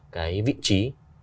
cái vị trí